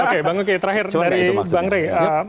oke bang uki terakhir dari bang rey